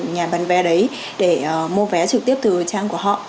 nhà bán vé đấy để mua vé trực tiếp từ trang của họ